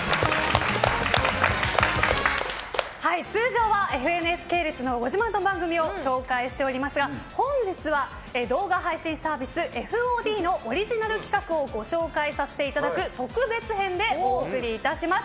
通常はＦＮＳ系列のご自慢の番組を紹介しておりますが本日は動画配信サービスＦＯＤのオリジナル企画をご紹介させていただく特別編でお送りいたします。